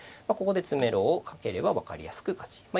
ここで詰めろをかければ分かりやすく勝ち。